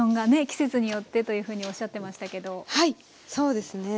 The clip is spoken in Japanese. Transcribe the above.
季節によってというふうにおっしゃってましたけどはいそうですね。